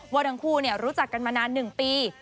ว่าทั้งคู่รู้จักกันมานาน๑ปี